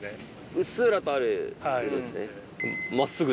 うっすらとあるっていうことですね。